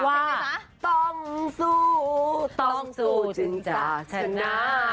ว่าต้องสู้ต้องสู้จนจะชนะ